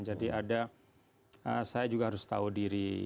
jadi ada saya juga harus tahu diri